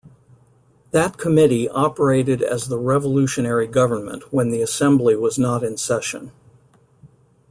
That committee operated as the revolutionary government when the Assembly was not in session.